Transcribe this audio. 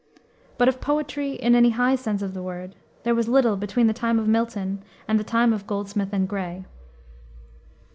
But of poetry, in any high sense of the word, there was little between the time of Milton and the time of Goldsmith and Gray.